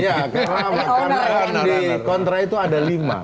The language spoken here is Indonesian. iya karena di kontra itu ada lima